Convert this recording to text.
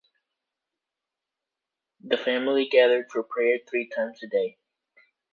The family gathered for prayer three times a day.